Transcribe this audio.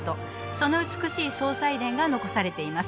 その美しい葬祭殿が残されています